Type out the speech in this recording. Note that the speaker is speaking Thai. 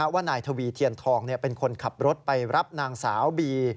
ว่านายทวีเทียนทองเป็นคนขับรถไปรับนางสาวบี